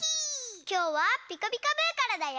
きょうは「ピカピカブ！」からだよ。